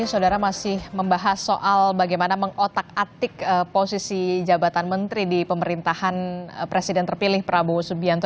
saudara masih membahas soal bagaimana mengotak atik posisi jabatan menteri di pemerintahan presiden terpilih prabowo subianto